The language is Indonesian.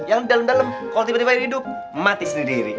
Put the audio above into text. yang dalem dalem kalo tiba tiba yang hidup mati sendiri